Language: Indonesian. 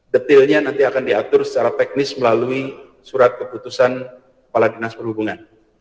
detilnya nanti akan diatur secara teknis melalui surat keputusan kepala dinas perhubungan